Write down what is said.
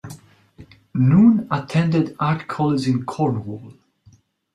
Noon attended art college in Cornwall.